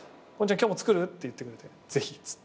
今日も作る？」って言ってくれて「ぜひ」っつって。